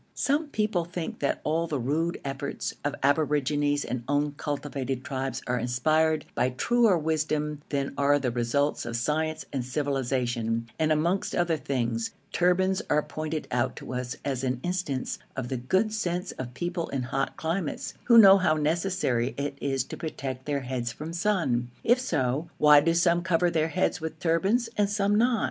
Some people think that all the rude efforts of aborigines and uncultivated tribes are inspired by truer wisdom than are the results of science and civilisation, and amongst other things, turbans are pointed out to us as an instance of the good sense of people in hot climates, who know how necessary it is to protect their heads from the sun. If so, why do some cover their heads with turbans and some not?